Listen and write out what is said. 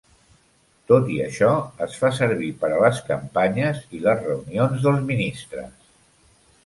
Tot i això, es fa servir per a les campanyes i les reunions dels ministres.